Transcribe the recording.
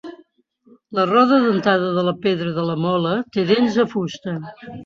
La roda dentada de la pedra de la mola té dents de fusta.